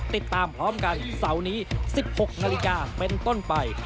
ติดตามพร้อมกันเสาร์นี้๑๖นาฬิกาเป็นต้นไป